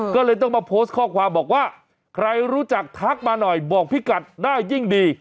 ก็เลยต้องมาโพสต์ข้อความบอกว่าใครรู้จักทักมาหน่อยบอกพี่กัดได้ยิ่งดี